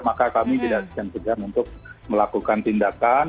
maka kami didasarkan untuk melakukan tindakan